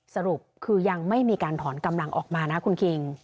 สรุปคือยังไม่มีการถอนกำลังออกมานะคุณคิง